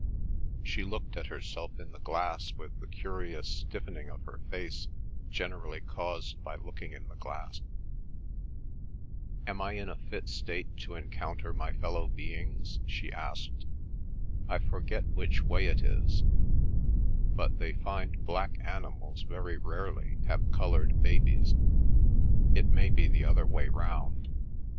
She looked at herself in the glass with the curious stiffening of her face generally caused by looking in the glass. "Am I in a fit state to encounter my fellow beings?" she asked. "I forget which way it is—but they find black animals very rarely have coloured babies—it may be the other way round.